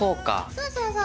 そうそうそうそう。